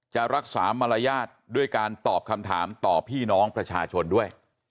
จะรักษามารยาทด้วยการตอบคำถามต่อพี่น้องประชาชนด้วย